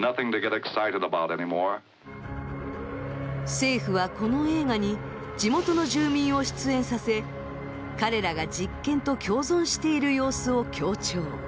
政府はこの映画に地元の住民を出演させ彼らが実験と共存している様子を強調。